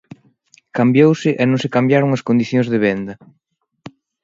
Cambiouse e non se cambiaron as condicións de venda.